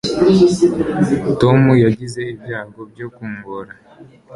tom yagize ibyago byo kungora